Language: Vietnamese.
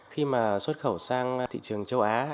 khi mà xuất khẩu sang thị trường châu á